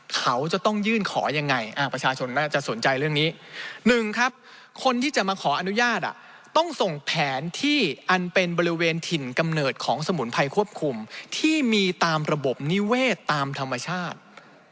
เขาจะต้องยื่นขอยังไงประชาชนน่าจะสนใจเรื่องนี้หนึ่งครับคนที่จะมาขออนุญาตต้องส่งแผนที่อันเป็นบริเวณถิ่นกำเนิดของสมุนไพรควบคุมที่มีตามระบบนิเวศตามธรรมชาติ